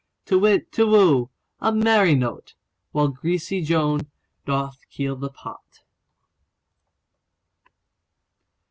To whit, Tu whoo! A merry note! While greasy Joan doth keel the pot.